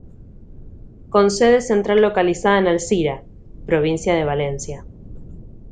Con sede central localizada en Alcira, provincia de Valencia.